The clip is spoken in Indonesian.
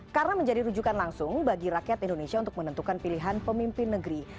karena menjadi rujukan langsung bagi rakyat indonesia untuk menentukan pilihan pemimpin negeri